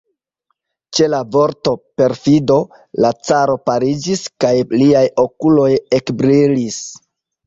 Ĉe la vorto "perfido" la caro paliĝis, kaj liaj okuloj ekbrilis.